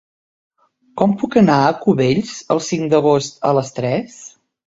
Com puc anar a Cubells el cinc d'agost a les tres?